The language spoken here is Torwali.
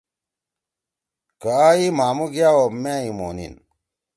کہ آ ئی مھامُو گأ او مأ ئی مونیِن۔